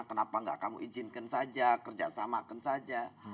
kenapa gak kamu izinkan saja kerjasamakan saja